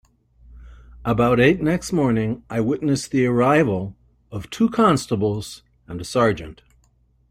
About eight next morning I witnessed the arrival of two constables and a sergeant.